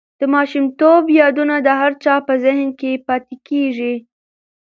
د ماشومتوب یادونه د هر چا په زهن کې پاتې کېږي.